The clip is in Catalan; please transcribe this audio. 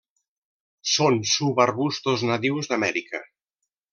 Són subarbustos nadius d'Amèrica.